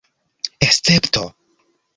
escepto